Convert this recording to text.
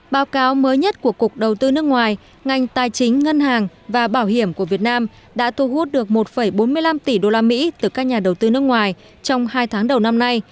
báo cáo mới nhất của cục đầu tư nước ngoài ngành tài chính ngân hàng và bảo hiểm của việt nam đã thu hút được một bốn mươi năm tỷ usd từ các nhà đầu tư nước ngoài trong hai tháng đầu năm nay